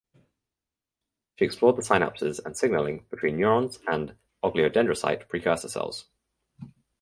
She explored the synapses and signaling between neurons and oligodendrocyte precursor cells.